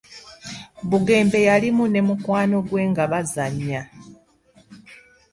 Bugembe yalimu ne mukwano gwe nga bazannya.